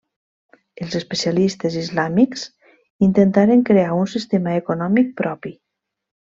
Els especialistes islàmics intentaren crear un sistema econòmic propi.